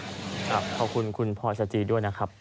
ขอบคุณคุณพศจริษฐิสินค่ะด้วยนะครับ